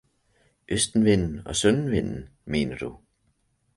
Østenvinden og søndenvinden, mener du!